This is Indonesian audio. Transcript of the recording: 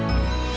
ya ini bagus